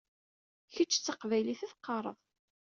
Kečč d taqbaylit i teqqaṛeɣ.